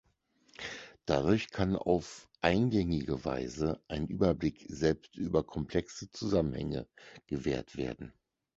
Dadurch kann auf eingängige Weise ein Überblick selbst über komplexe Zusammenhänge gewährt werden.